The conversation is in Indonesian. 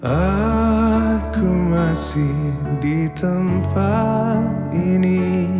aku masih di tempat ini